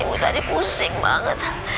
ibu tadi pusing banget